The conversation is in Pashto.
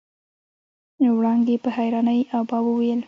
وړانګې په حيرانۍ ابا وويل.